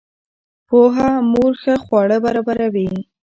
پوهه مور ښه خواړه برابروي.